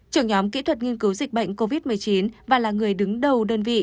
trưởng nhóm kỹ thuật nghiên cứu dịch bệnh covid một mươi chín và là người đứng đầu đơn vị